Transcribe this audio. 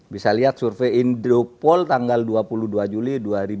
bisa lihat survei indropol tanggal dua puluh dua juli dua ribu dua puluh